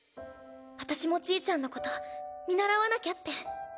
私もちぃちゃんのこと見習わなきゃって。